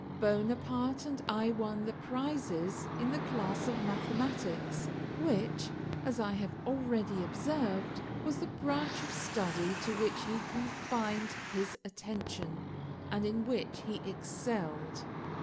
Bonaparte and I won the prizes in the class of mathematics, which, as I have already observed, was the branch of study to which he confined his attention, and in which he excelled.